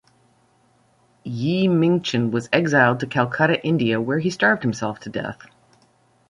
Ye Mingchen was exiled to Calcutta, India, where he starved himself to death.